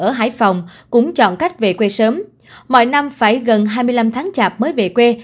ở hải phòng cũng chọn cách về quê sớm mọi năm phải gần hai mươi năm tháng chạp mới về quê